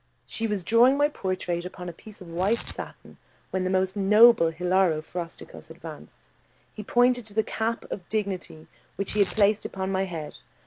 She was drawing my portrait upon a piece of white satin, when the most noble Hilaro Frosticos advanced. He pointed to the cap of dignity which he had placed upon my head.